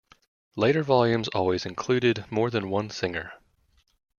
Later volumes always included more than one singer.